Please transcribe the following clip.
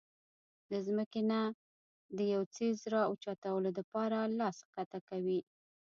د زمکې نه د يو څيز را اوچتولو د پاره لاس ښکته کوي